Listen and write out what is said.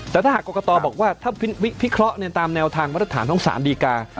แต่ถ้ากรกตรบอกว่าถ้าพิเคราะห์เนี่ยตามแนวทางวัฒนฐานทั้งสามดีการ์